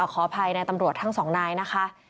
ขออภัยในตำรวจทั้งสองนายนะคะ